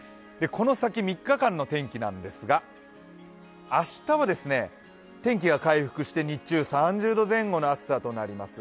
この先３日間の天気なんですが明日は天気が回復して日中、３０度前後の暑さとなります。